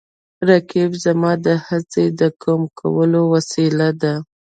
رقیب زما د هڅو د قوي کولو وسیله ده